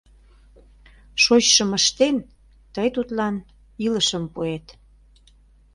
Шочшым ыштен, тый тудлан илышым пуэт.